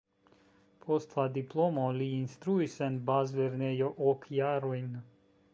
Post la diplomo li instruis en bazlernejo ok jarojn.